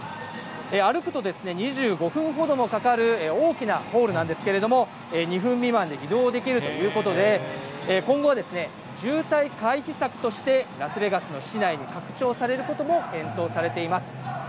歩くとですね、２５分ほどもかかる大きなホールなんですけれども、２分未満で移動できるということで、今後は渋滞回避策として、ラスベガスの市内に拡張されることも検討されています。